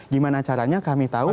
gimana caranya kami tahu